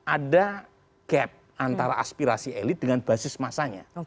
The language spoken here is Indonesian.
ada gap antara aspirasi elit dengan basis masanya